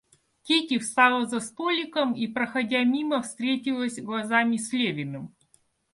Кити встала за столиком и, проходя мимо, встретилась глазами с Левиным.